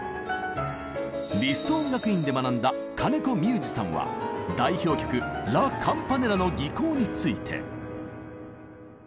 リスト音楽院で学んだ金子三勇士さんは代表曲「ラ・カンパネラ」の技巧について。